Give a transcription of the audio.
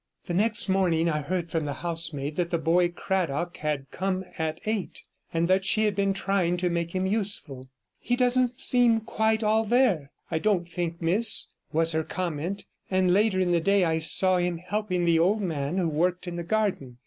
The next morning I heard from the housemaid that the boy Cradock had come at eight, and that she had been trying to make him useful. 'He doesn't seem quite all there, I don't think, miss,' was her comment, and later in the day I saw him helping the old man who worked in the garden.